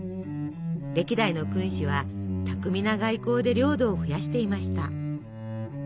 歴代の君主は巧みな外交で領土を増やしていました。